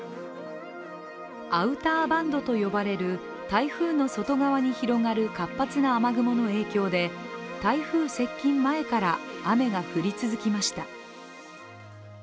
アウターバンドと呼ばれる台風の外側に広がる活発な雨雲の影響で台風接近前から雨が降り続きました。